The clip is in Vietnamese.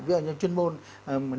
ví dụ như chuyên môn